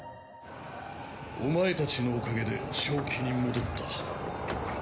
お前たちのおかげで正気に戻った。